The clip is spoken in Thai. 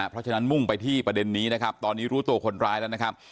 เพราะฉะนั้นมุ่งไปที่ประเด็นนี้นะครับตอนนี้รู้ตัวคนร้ายแล้วนะครับ